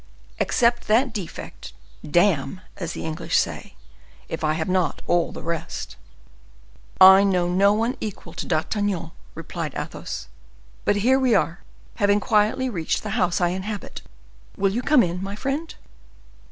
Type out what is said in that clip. Except that defect, damme, as the English say, if I have not all the rest." "I know no one equal to D'Artagnan," replied Athos; "but here we are, having quietly reached the house I inhabit. Will you come in, my friend?"